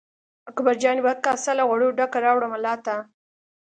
اکبرجان یوه کاسه له غوړو ډکه راوړه ملا ته.